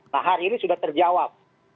nah hari ini sudah terjawab